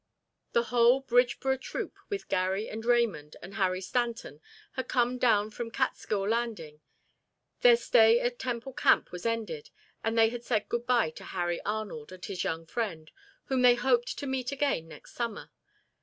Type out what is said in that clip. The whole Bridgeboro troop with Garry and Raymond and Harry Stanton, had come down from Catskill Landing. Their stay at Temple Camp was ended and they had said good bye to Harry Arnold and his young friend, whom they hoped to meet again next summer.